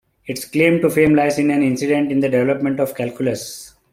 Its claim to fame lies in an incident in the development of calculus.